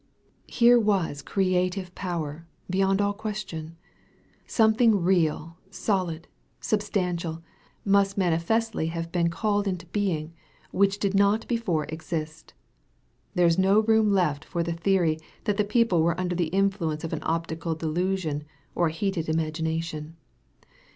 Here was creative power, beyond all qujstion. Some thing real, solid, substantial, must manifestly have been called into being, which did not before exist. There is no room left for the theory, that the people were under the influence of an optical delusion, or a heated imagin ation.